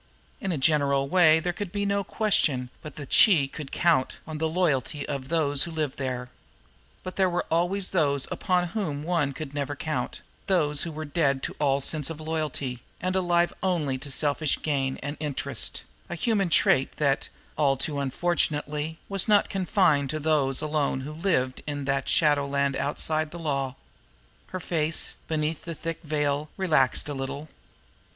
In a general way there could be no question but that she could count on the loyalty of those who lived there; but there were always those upon whom one could never count, those who were dead to all sense of loyalty, and alive only to selfish gain and interest a human trait that, all too unfortunately, was not confined to those alone who lived in that shadowland outside the law. Her face, beneath the thick veil, relaxed a little.